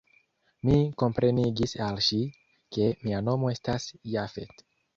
Mi komprenigis al ŝi, ke mia nomo estas Jafet.